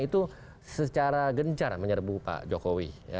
itu secara gencar menyerbu pak jokowi